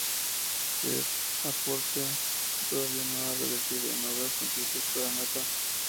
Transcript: Ese aporte todavía no ha revertido en obras concretas para Natá.